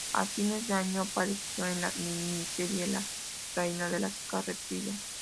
A fines de año apareció en la miniserie "La reina de las carretillas".